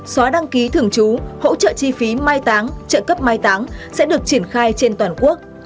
xóa đăng ký thường trú hỗ trợ chi phí mai táng trợ cấp mai táng sẽ được triển khai trên toàn quốc